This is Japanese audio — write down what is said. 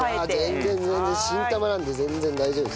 全然全然新玉なので全然大丈夫です。